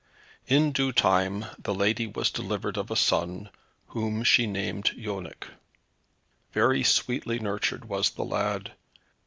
In due time the lady was delivered of a son, whom she named Yonec. Very sweetly nurtured was the lad.